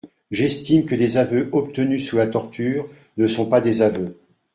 J’estime que des aveux obtenus sous la torture ne sont pas des aveux.